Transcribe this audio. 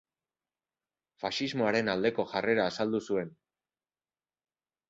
Faxismoaren aldeko jarrera azaldu zuen.